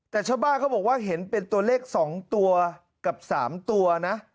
แต่ชาวบ้านเขาบอกว่าเห็นเป็นตัวเลข๒ตัวกับ๓ตัวนะ